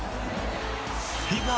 ＦＩＦＡ